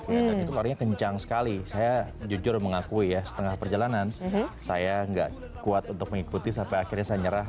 dan itu larinya kencang sekali saya jujur mengakui ya setengah perjalanan saya nggak kuat untuk mengikuti sampai akhirnya saya nyerah